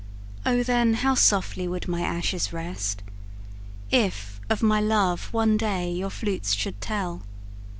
O then how softly would my ashes rest, If of my love, one day, your flutes should tell!